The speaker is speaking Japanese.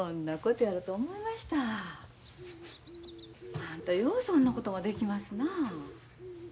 あんたようそんなことができますなあ。